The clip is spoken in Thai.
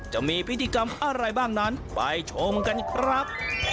จะมีพิธีกรรมอะไรบ้างนั้นไปชมกันครับ